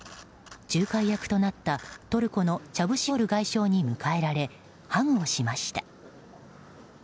仲介役となったトルコのチャブシオール外相に迎えられハグをしました。